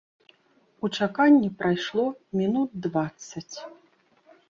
У чаканні прайшло мінут дваццаць.